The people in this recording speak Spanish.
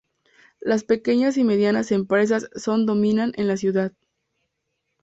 Las pequeñas y medianas empresas son dominan en la ciudad.